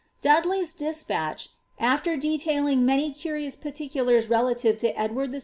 Dudley's despatch, after detailing many curious particulars relative to Edwani VI.